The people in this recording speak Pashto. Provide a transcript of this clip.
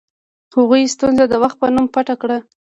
هغوی ستونزه د وخت په نوم پټه کړه.